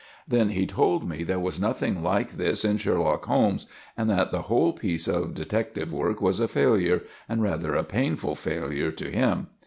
Then he told me there was nothing like this in Sherlock Holmes, and that the whole piece of detective work was a failure, and rather a painful failure to him.